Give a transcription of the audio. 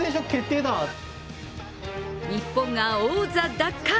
日本が王座奪還。